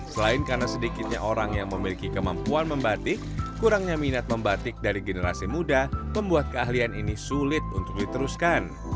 selain karena sedikitnya orang yang memiliki kemampuan membatik kurangnya minat membatik dari generasi muda membuat keahlian ini sulit untuk diteruskan